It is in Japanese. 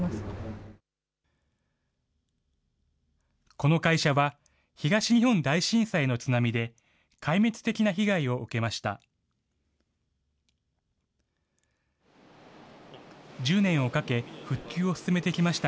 この会社は、東日本大震災の津波で、壊滅的な被害を受けました。